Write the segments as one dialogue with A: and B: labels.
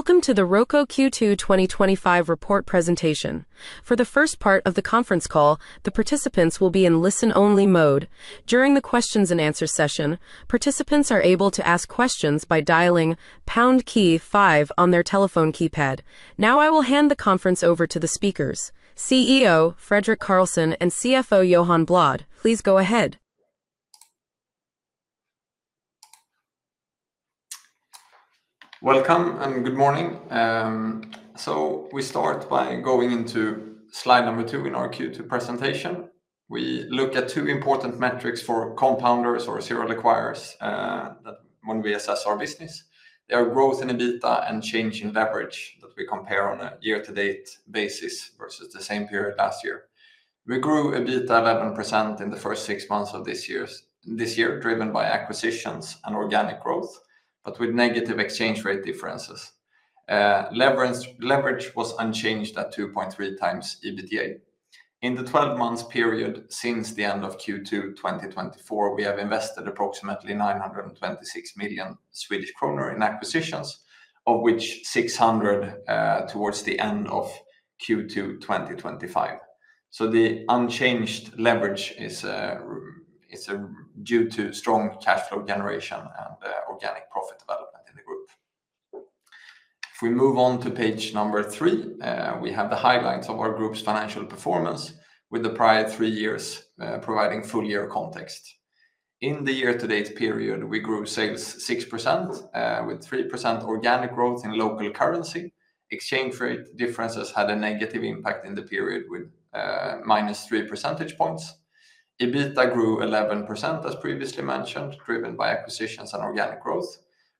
A: Welcome to the ROCO Q2 twenty twenty five Report Presentation. Now I will hand the conference over to the speakers, CEO, Fredrik Karlsson and CFO, Johan Blad. Please go ahead.
B: Welcome, and good morning. So we start by going into slide number two in our q two presentation. We look at two important metrics for compounders or serial acquirers that when we assess our business, their growth in EBITDA and change in leverage that we compare on a year to date basis versus the same period last year. We grew EBITDA 11% in the first six months of this years this year driven by acquisitions and organic growth, but with negative exchange rate differences. Leverage was unchanged at 2.3 times EBITDA. In the twelve months period since the end of q two twenty twenty four, we have invested approximately 926,000,000 Swedish kronor in acquisitions, of which 600 towards the end of q two twenty twenty five. So the unchanged leverage is a is a due to strong cash flow generation and organic profit development in the group. If we move on to page number three, we have the highlights of our group's financial performance with the prior three years providing full year context. In the year to date period, we grew sales 6% with 3% organic growth in local currency. Exchange rate differences had a negative impact in the period with minus three percentage points. EBITDA grew 11 as previously mentioned, driven by acquisitions and organic growth.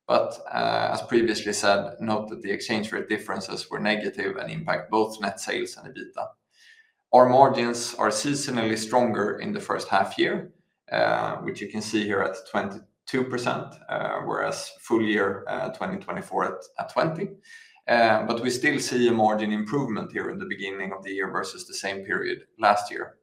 B: But as previously said, note that the exchange rate differences were negative and impact both net sales and EBITDA. Our margins are seasonally stronger in the first half year, which you can see here at 22%, whereas full year 2024 at at 20. But we still see a margin improvement here in the beginning of the year versus the same period last year.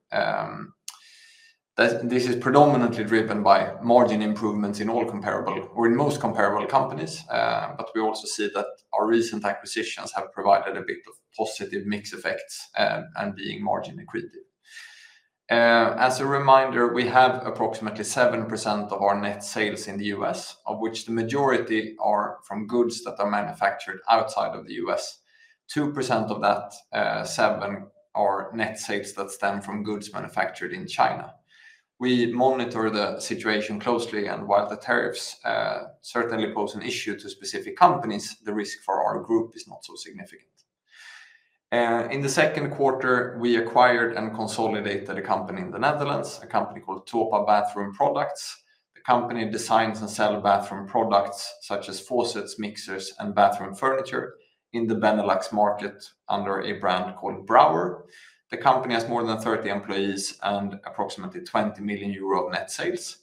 B: That this is predominantly driven by margin improvements in all comparable or in most comparable companies, but we also see that our recent acquisitions have provided a bit of positive mix effects and being margin accretive. As a reminder, we have approximately 7% of our net sales in The US, of which the majority are from goods that are manufactured outside of The US. 2% of that seven are net sales that stem from goods manufactured in China. We monitor the situation closely, and while the tariffs certainly pose an issue to specific companies, the risk for our group is not so significant. In the second quarter, we acquired and consolidated a company in The Netherlands, a company called Topa Bathroom Products. The company designs and sell bathroom products such as faucets, mixers, and bathroom furniture in the Benelux market under a brand called Brauer. The company has more than 30 employees and approximately €20,000,000 of net sales.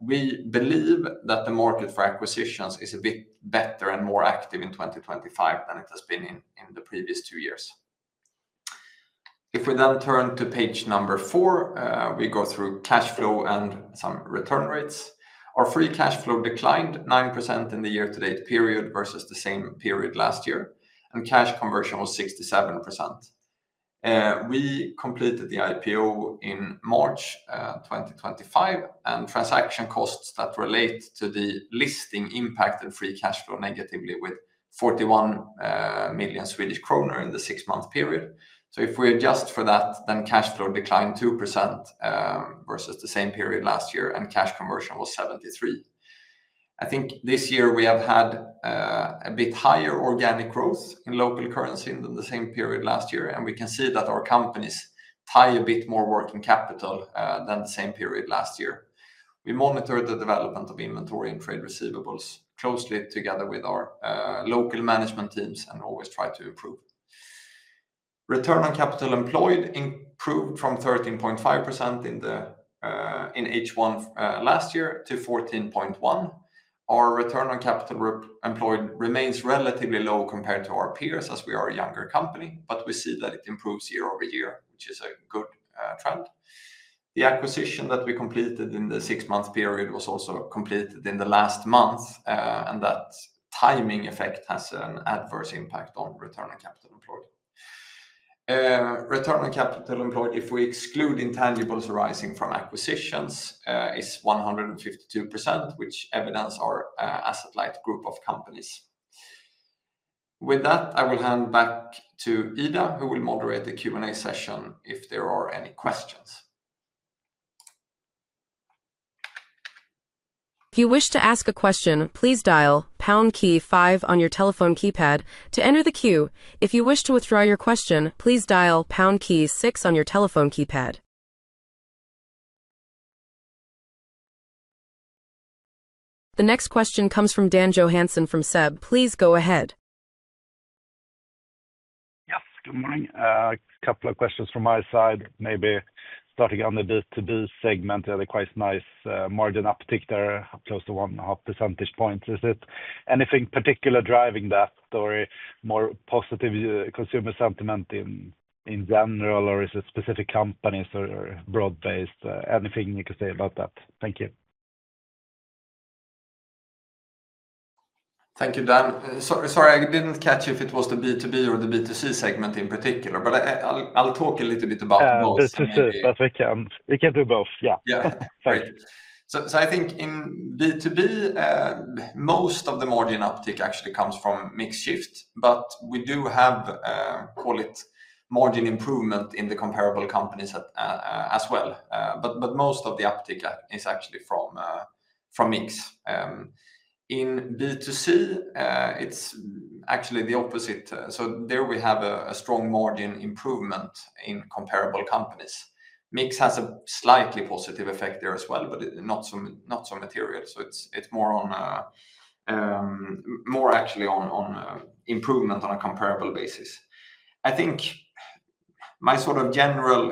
B: We believe that the market for acquisitions is a bit better and more active in 2025 than it has been in in the previous two years. If we then turn to page number four, we go through cash flow and some return rates. Our free cash flow declined 9% in the year to date period versus the same period last year, and cash conversion was 67%. We completed the IPO in March 2025, and transaction costs that relate to the listing impacted free cash flow negatively with 41,000,000 Swedish kronor in the six month period. So if we adjust for that, then cash flow declined 2% versus the same period last year, and cash conversion was 73. I think this year, we have had a bit higher organic growth in local currency than the same period last year, and we can see that our companies tie a bit more working capital, than the same period last year. We monitor the development of inventory and trade receivables closely together with our, local management teams and always try to improve. Return on capital employed improved from 13.5% in the in h one last year to 14.1. Our return on capital employed remains relatively low compared to our peers as we are a younger company, but we see that it improves year over year, which is a good trend. The acquisition that we completed in the six month period was also completed in the last month, and that timing effect has an adverse impact on return on capital employed. Return on capital employed, if we exclude intangibles arising from acquisitions, is 152%, which evidence our asset light group of companies. With that, I will hand back to Ida, who will moderate the q and a session if there are any questions.
A: If you wish to ask a question, please dial pound key The next question comes from Dan Johansson from SEB. Please go ahead.
C: Yes. Good morning. A couple of questions from my side. Maybe starting on the B2B segment, you had a quite nice margin uptick there, close to 1.5 percentage points. Is it anything particular driving that? Or more positive consumer sentiment in general? Or is it specific companies or broad based? Anything you could say about that?
B: Thank you, Dan. Sorry. I didn't catch if it was the b to b or the b to c segment in particular, but I I'll I'll talk a little bit about both.
C: To c. Perfect. We can do both. Yeah.
B: Yeah. Great. So I think in b to b, most of the margin uptick actually comes from mix shift, but we do have, call it, margin improvement in the comparable companies as well. But but most of the uptick is actually from from MiX. In, it's actually the opposite. So there we have a a strong margin improvement in comparable companies. MiX has a slightly positive effect there as well, but not so not so material. So it's it's more on more actually on on improvement on a comparable basis. I think my sort of general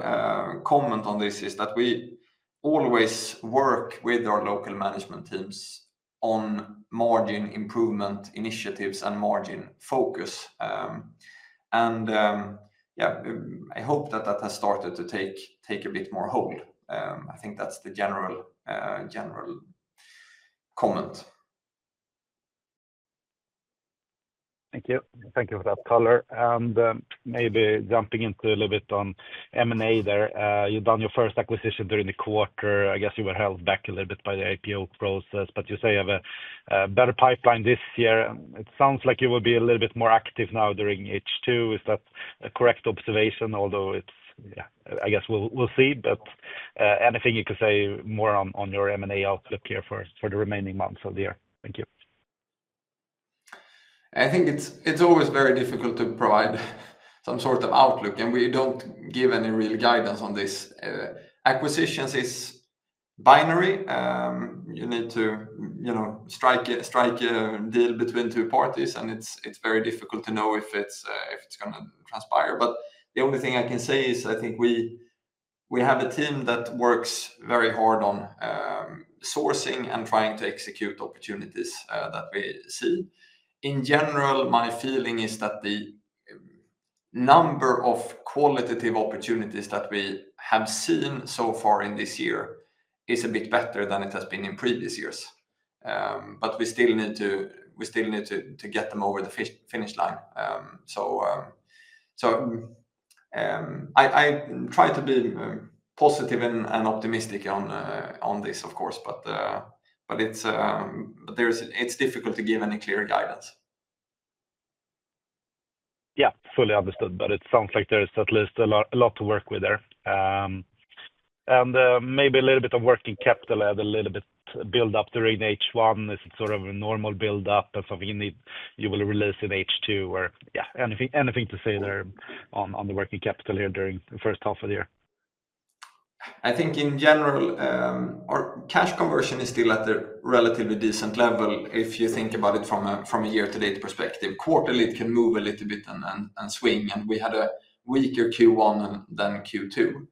B: comment on this is that we always work with our local management teams on margin improvement initiatives and margin focus. And, yeah, I hope that that has started to take take a bit more hold. I think that's the general general comment.
C: Thank you. Thank you for that color. And maybe jumping into a little bit on M and A there. You've done your first acquisition during the quarter. I guess you were held back a little bit by the IPO process, but you say you have a better pipeline this year. It sounds like you will be a little bit more active now during H2. Is that a correct observation? Although it's I guess we'll see. But anything you could say more on your M and A outlook here for the remaining months of the year?
B: I think it's it's always very difficult to provide some sort of outlook, and we don't give any real guidance on this. Acquisitions is binary. You need to, you know, strike strike a deal between two parties, and it's it's very difficult to know if it's if it's gonna transpire. But the only thing I can say is I think we we have a team that works very hard on sourcing and trying to execute opportunities that we see. In general, my feeling is that the number of qualitative opportunities that we have seen so far in this year is a bit better than it has been in previous years. But we still need to we still need to to get them over the finish line. So so I I try to be positive and and optimistic on on this, of course, but but it's but there's it's difficult to give any clear guidance.
C: Yeah. Fully understood, but it sounds like there's at least a lot a lot to work with there. And maybe a little bit of working capital add a little bit build up during h one. Is it sort of a normal build up of something you need you will release in h two? Or yeah. Anything anything to say there on on the working capital here during the first half of the year?
B: I think in general, our cash conversion is still at a relatively decent level if you think about it from a from a year to date perspective. Quarterly, it can move a little bit and and and swing, and we had a weaker q one than than q two.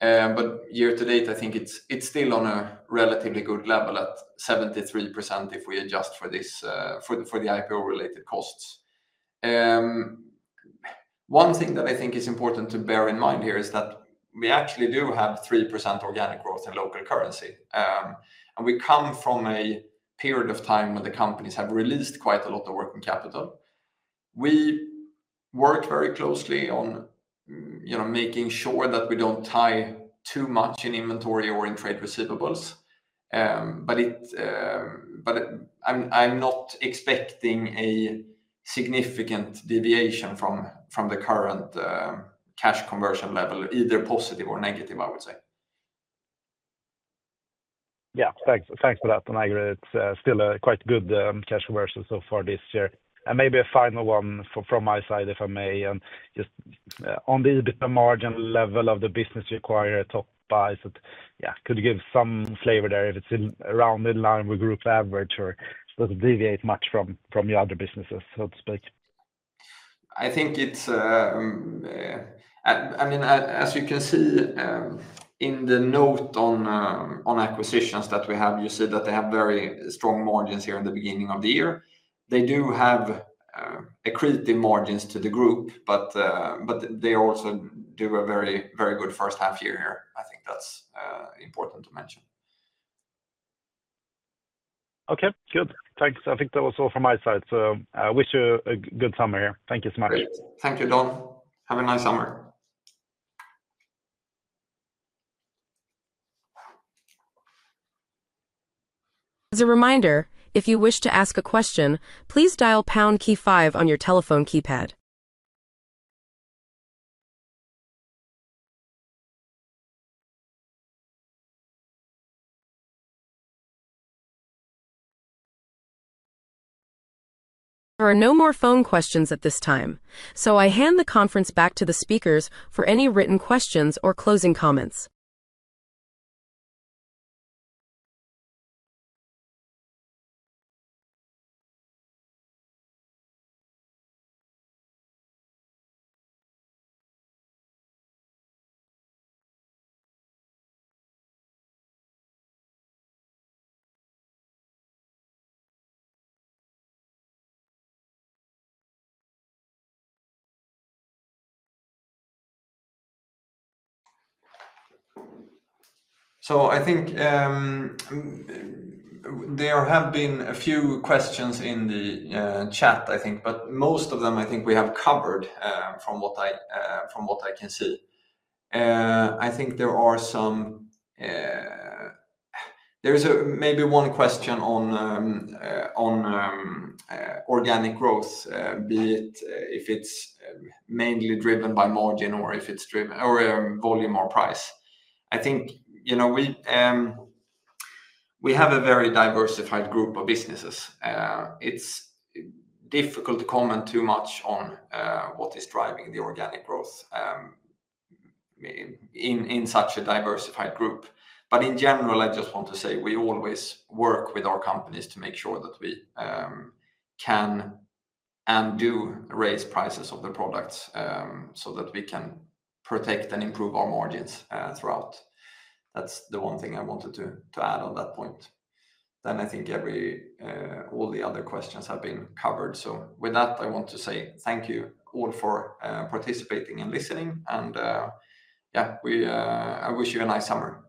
B: But year to date, I think it's it's still on a relatively good level at 73% if we adjust for this for for the IPO related costs. One thing that I think is important to bear in mind here is that we actually do have 3% organic growth in local currency, and we come from a period of time when the companies have released quite a lot of working capital. We work very closely on, you know, making sure that we don't tie too much in inventory or in trade receivables. But it's but I'm I'm not expecting a significant deviation from from the current cash conversion level, either positive or negative, I would say.
C: Yeah. Thanks thanks for that, Migra. It's still a quite good cash conversion so far this year. And maybe a final one from my side, if I may. Just on the EBITDA margin level of the business you acquired, buys, you give some flavor there if it's in around in line with group average or does it deviate much from the other businesses, so to speak?
B: I think it's I mean, as you can see in the note on on acquisitions that we have, you said that they have very strong margins here in the beginning of the year. They do have accretive margins to the group, but but they also do a very, very good first half year here. I think that's important to mention.
C: Okay. Good. Thanks. I think that was all from my side. So I wish you a good summer here. Thank you so much.
B: Great. Thank you, Don. Have a nice summer. So I think there have been a few questions in the chat, I think. But most of them, I think we have covered from what I from what I can see. I think there are some there's maybe one question on on organic growth, be it if it's mainly driven by margin or if it's driven or volume or price. I think, you know, we we have a very diversified group of businesses. It's difficult to comment too much on what is driving the organic growth in in such a diversified group. But in general, I just want to say we always work with our companies to make sure that we can and do raise prices of the products so that we can protect and improve our margins throughout. That's the one thing I wanted to to add on that point. Then I think every all the other questions have been covered. So with that, I want to say thank you all for participating and listening. And, yeah, we I wish you a nice summer.